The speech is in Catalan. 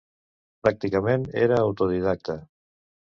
Pràcticament era autodidacta.